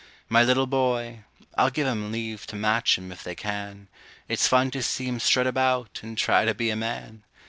My little boy I'll give 'em leave to match him, if they can; It's fun to see him strut about, and try to be a man!